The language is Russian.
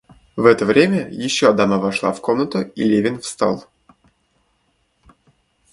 В это время еще дама вошла в комнату, и Левин встал.